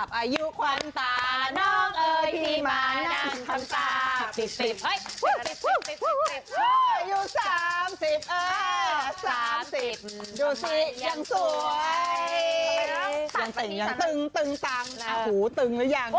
สามสิบดูสิยังสวยตึงตึงตังฮูตึงแล้วยัง